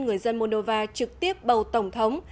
người dân moldova trực tiếp bầu tổng thống